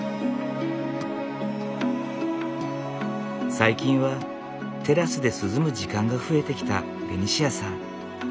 最近はテラスで涼む時間が増えてきたベニシアさん。